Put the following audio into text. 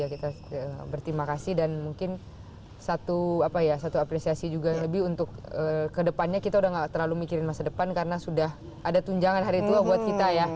kita berterima kasih dan mungkin satu apresiasi juga lebih untuk kedepannya kita udah gak terlalu mikirin masa depan karena sudah ada tunjangan hari tua buat kita ya